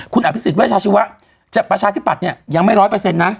คุณอภิษฌิตเวชาชีวะประชาธิปัตธ์เนี่ยยังไม่๑๐๐นะ